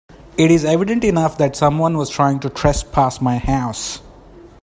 It is evident enough that someone was trying to trespass my house.